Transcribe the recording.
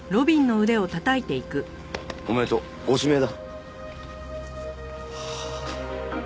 おめでとう。ご指名だ。